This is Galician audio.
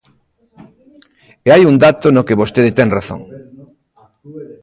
E hai un dato no que vostede ten razón.